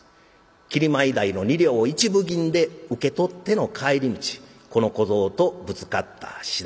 切米代の二両を一分銀で受け取っての帰り道この小僧とぶつかったしだい。